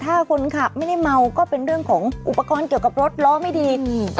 ถ้าคนขับไม่ได้เมาก็เป็นเรื่องของอุปกรณ์เกี่ยวกับรถล้อไม่ดีอืม